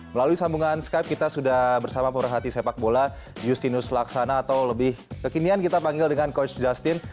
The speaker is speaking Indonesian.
melalui sambungan skype kita sudah bersama purhati sepak bola justinus laksana atau lebih kekinian kita panggil dengan coach justin